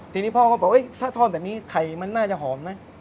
ทีนี้พ่อก็บอกถ้าทอดแบบนี้ไข่มันน่าจะหอมไหม